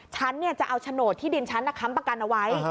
ฉันจะเอาโฉนดที่ดินฉันค้ำประกันเอาไว้